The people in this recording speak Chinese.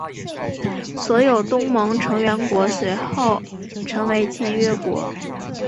所有东盟成员国随后成为签约国。